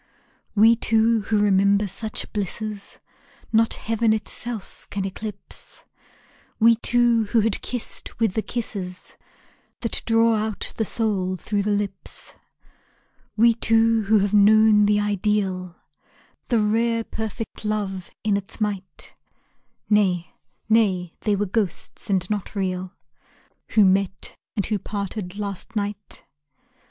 We two who remember such blisses Not heaven itself can eclipse, We two who had kissed with the kisses That draw out the soul through the lips, We two who have known the ideal, The rare perfect love in its might Nay, nay, they were ghosts, and not real, Who met, and who parted, last night.